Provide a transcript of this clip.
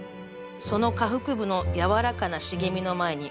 「その下腹部の柔らかな茂みの前に」